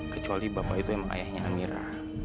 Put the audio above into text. kecuali bapak itu yang ayahnya amira